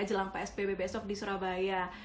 jelang psbb besok di surabaya